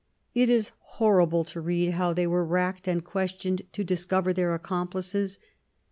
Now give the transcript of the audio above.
It is horrible to read how they were racked and questioned to discover their accomplices.